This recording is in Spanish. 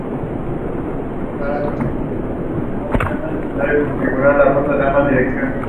Stevens toca alrededor de catorce instrumentos a lo largo del disco.